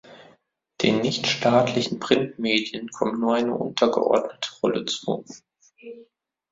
Den nichtstaatlichen Printmedien kommt nur eine untergeordnete Rolle zu.